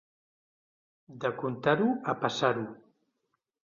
De contar-ho a passar-ho.